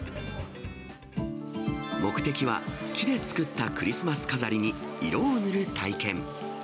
目的は、木で作ったクリスマス飾りに、色を塗る体験。